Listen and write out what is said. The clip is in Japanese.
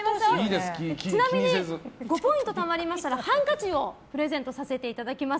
ちなみに５ポイントたまりましたらハンカチをプレゼントさせていただきます。